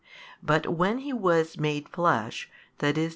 But when He was made Flesh, i.e.